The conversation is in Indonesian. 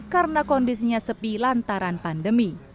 karena kondisinya sepi lantai